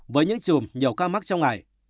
với những chùm nhiều ca mắc trong ngày